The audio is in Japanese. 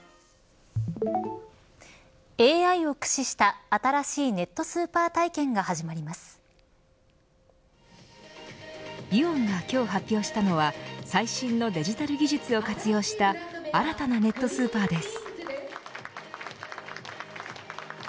ＡＩを駆使した新しいネットスーパー体験がイオンが今日発表したのは最新のデジタル技術を活用した新たなネットスーパーです。